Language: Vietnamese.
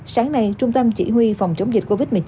sáng nay trung tâm chỉ huy phòng chống dịch covid một mươi chín